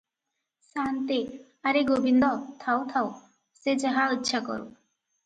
ସାଆନ୍ତେ "ଆରେ ଗୋବିନ୍ଦ, ଥାଉ ଥାଉ, ସେ ଯାହା ଇଚ୍ଛା କରୁ।"